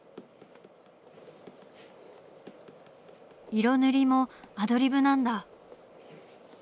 色塗りもアドリブなんだ。